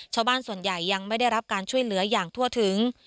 ชาวบ้านส่วนใหญ่ยังไม่ได้รับการช่วยเหลืออย่างทั่วถึง